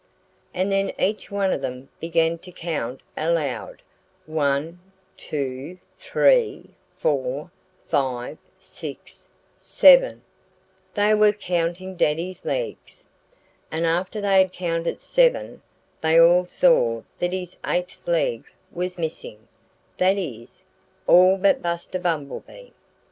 And then each one of them began to count aloud: "One, two, three, four, five, six, seven " They were counting Daddy's legs. And after they had counted seven they all saw that his eighth leg was missing that is, all but Buster Bumblebee.